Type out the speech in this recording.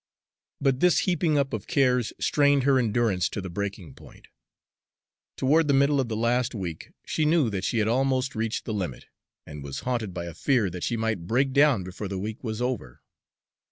But this heaping up of cares strained her endurance to the breaking point. Toward the middle of the last week, she knew that she had almost reached the limit, and was haunted by a fear that she might break down before the week was over.